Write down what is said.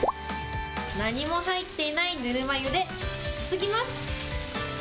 何も入っていないぬるま湯ですすぎます。